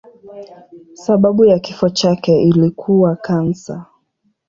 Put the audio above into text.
Sababu ya kifo chake ilikuwa kansa.